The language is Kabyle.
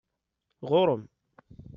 Ɣur-m!